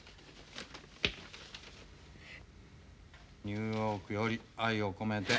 「ニューヨークより愛を込めて」。